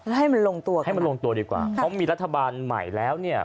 ให้มันลงตัวกันให้มันลงตัวดีกว่าเพราะมีรัฐบาลใหม่แล้วเนี่ย